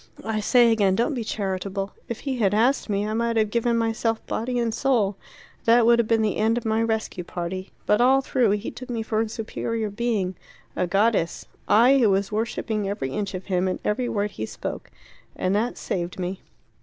"I say again, don't be charitable. If he had asked me, I might have given myself body and soul. That would have been the end of my rescue party. But all through he took me for a superior being a goddess. I who was worshipping every inch of him, and every word he spoke. And that saved me."